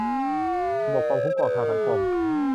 ระบบความคุ้มครองทางสังคม